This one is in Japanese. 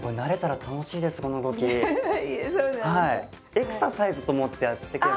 エクササイズと思ってやっていけば。